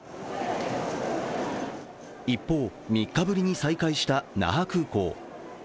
一方、３日ぶりに再開した那覇空港。